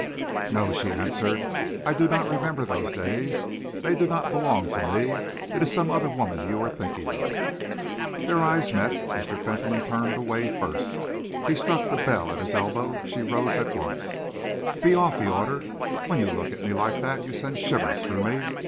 "No," she answered, "I do not remember those days. They do not belong to me. It is some other woman you are thinking of." Their eyes met. Mr. Fentolin turned away first. He struck the bell at his elbow. She rose at once. "Be off!" he ordered. "When you look at me like that, you send shivers through me!